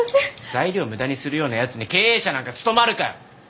材料を無駄にするようなやつに経営者なんか務まるか！